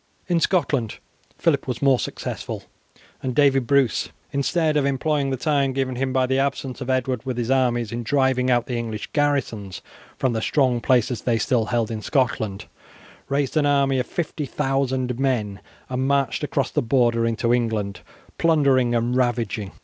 In Scotland Phillip was more successful, and David Bruce, instead of employing the time given him by the absence of Edward with his armies in driving out the English garrisons from the strong places they still held in Scotland, raised an army of 50,000 men and marched across the border into England plundering and ravaging.